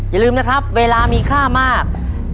อย่าลืมนะครับเวลามีค่ามาก